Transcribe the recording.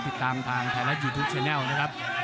ติดตามทางไทยรัฐยูทูปแชนแนลนะครับ